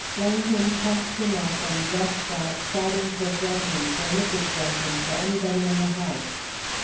Langholm propped him up and rushed out shouting for Brunton for Mrs. Brunton for anybody in the house.